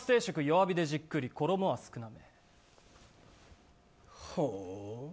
弱火でじっくり衣は少な目。